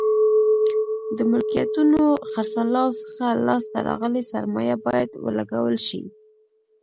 د ملکیتونو خرڅلاو څخه لاس ته راغلې سرمایه باید ولګول شي.